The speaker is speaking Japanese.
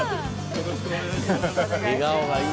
よろしくお願いします。